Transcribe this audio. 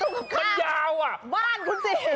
ดูใครก็จะมาเก็บสายยางของตู้กลุ่มข้าวบ้านคุณสิมันยาว